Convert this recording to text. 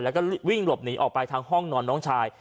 แล้วก็วิ่งหลบหนีออกไปทางห้องนอนน้องชาย